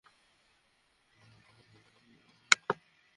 ধীরেধীরে নামলেই আর সমস্যা নেই।